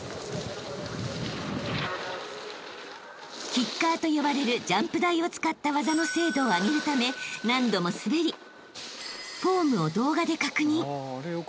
［キッカーと呼ばれるジャンプ台を使った技の精度を上げるため何度も滑りフォームを動画で確認］